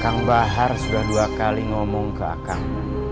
kang bahar sudah dua kali ngomong ke a kang